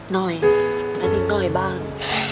หน่อยอาทิตย์หน่อยบ้าง